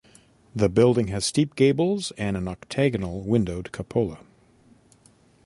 The building has steep gables and an octagonal windowed cupola.